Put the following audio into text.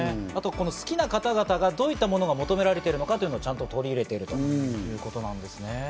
好きな方々がどういったものを求められているのかをちゃんと取り入れられているということなんですね。